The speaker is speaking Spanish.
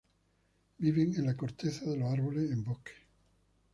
Viven en la corteza de los árboles en bosques.